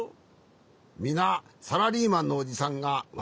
みなサラリーマンのおじさんがわるいと？